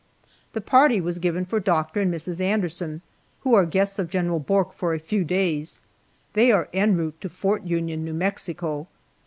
The party was given for Doctor and Mrs. Anderson, who are guests of General Bourke for a few days. They are en route to Fort Union, New Mexico.